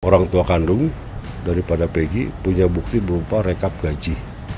orang tua kandung daripada pegi punya bukti berupa rekap gaji